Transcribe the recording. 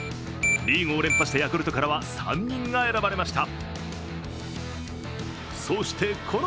リーグを連覇したヤクルトからは３人が選ばれました。